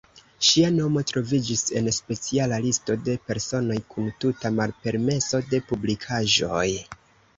Ŝia nomo troviĝis en speciala listo de personoj kun tuta malpermeso de publikaĵoj.